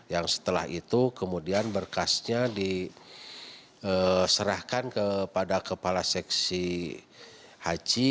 yang setelah itu kemudian berkasnya diserahkan kepada kepala seksi haji